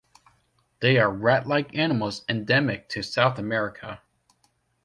They are rat-like animals endemic to South America.